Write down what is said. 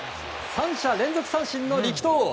三者連続三振の力投。